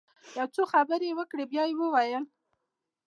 يو څو خبرې يې وکړې بيا يې وويل.